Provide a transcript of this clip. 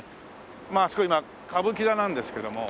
まああそこ今歌舞伎座なんですけども。